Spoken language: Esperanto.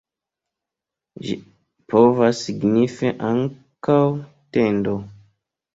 Ĝi povas signifi ankaŭ "tendo".